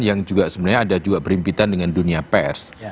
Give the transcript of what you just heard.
yang juga sebenarnya ada juga berimpitan dengan dunia pers